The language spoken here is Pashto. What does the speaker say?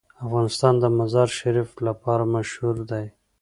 افغانستان د مزارشریف لپاره مشهور دی.